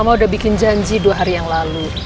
kamu udah bikin janji dua hari yang lalu